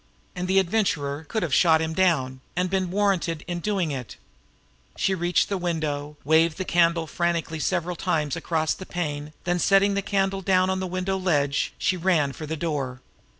And the Adventurer could have shot him down, and been warranted in doing it! She reached the window, waved the candle frantically several times across the pane, then setting the candle down on the window ledge, she ran for the door.